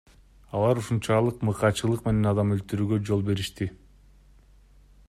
Алар ушунчалык мыкаачылык менен адам өлтүрүүгө жол беришти.